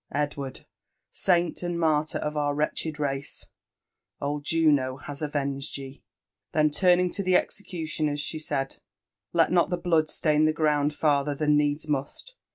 Edward ! saint and martyr of our wretched race 1— old Jiino has avenged ye !" Then turning to the execuHoners, she said, " Let not the blood stain the ground farther than needs must.